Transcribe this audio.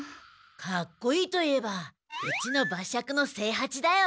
かっこいいといえばうちの馬借の清八だよ。